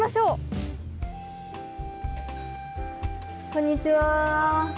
こんにちは。